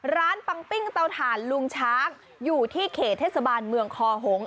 ปังปิ้งเตาถ่านลุงช้างอยู่ที่เขตเทศบาลเมืองคอหง